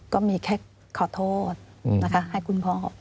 ก็มีแค่ขอโทษนะคะให้คุณพ่อ